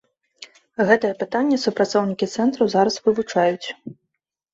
Гэтае пытанне супрацоўнікі цэнтру зараз вывучаюць.